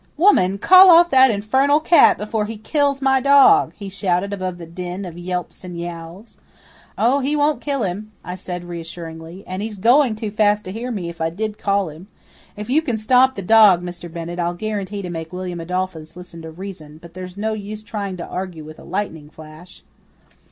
"Woman, call off that infernal cat before he kills my dog," he shouted above the din of yelps and yowls. "Oh, he won't kill him," I said reassuringly, "and he's going too fast to hear me if I did call him. If you can stop the dog, Mr. Bennett, I'll guarantee to make William Adolphus listen to reason, but there's no use trying to argue with a lightning flash."